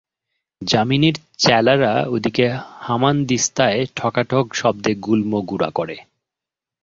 যামিনীর চেলারা ওদিকে হামাদিস্তায় ঠকাঠক শব্দে গুল্ম গুড়া করে।